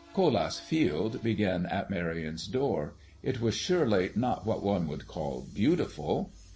Colas' field began at Marion's door. It was surely not what one would call beautiful.